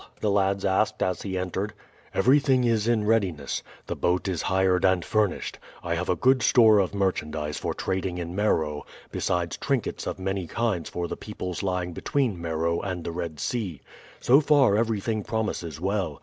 the lads asked as he entered. "Everything is in readiness. The boat is hired and furnished. I have a good store of merchandise for trading in Meroe, besides trinkets of many kinds for the peoples lying between Meroe and the Red Sea. So far everything promises well.